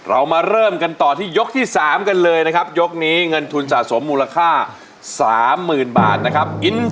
เรามาเริ่มกันต่อที่ยกที่๓กันเลยนะครับยกนี้เงินทุนสะสมมูลค่า๓๐๐๐บาทนะครับ